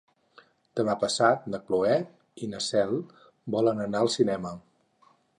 Demà passat na Cloè i na Cel volen anar al cinema.